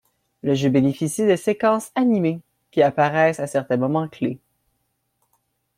Le jeu bénéficie de séquences animées, qui apparaissent à certains moments clés.